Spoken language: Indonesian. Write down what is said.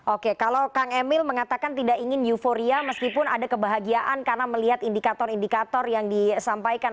oke kalau kang emil mengatakan tidak ingin euforia meskipun ada kebahagiaan karena melihat indikator indikator yang disampaikan